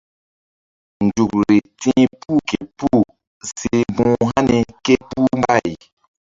Nzukri ti̧h puh ke puh si mbu̧h hani ké puh mbay.